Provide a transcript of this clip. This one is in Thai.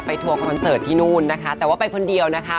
ทัวร์คอนเสิร์ตที่นู่นนะคะแต่ว่าไปคนเดียวนะคะ